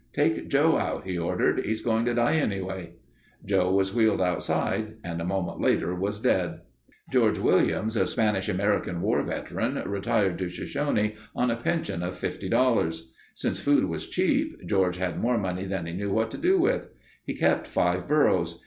"Take Joe out," he ordered. "He's going to die anyway." Joe was wheeled outside and a moment later was dead. George Williams, a Spanish American war veteran, retired to Shoshone on a pension of $50. Since food was cheap, George had more money than he knew what to do with. He kept five burros.